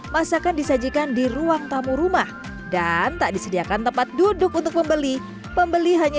empat puluh enam masakan disajikan di ruang tamu rumah dan tak disediakan tempat duduk untuk pembeli pembeli hanya